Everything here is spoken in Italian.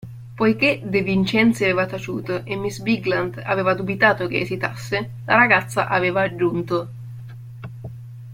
Poiché De Vincenzi aveva taciuto e miss Bigland aveva dubitato che esitasse, la ragazza aveva aggiunto.